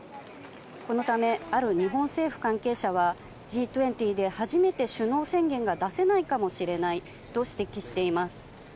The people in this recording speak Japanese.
このため、ある日本政府関係者は、Ｇ２０で初めて首脳宣言が出せないかもしれないと指摘しています。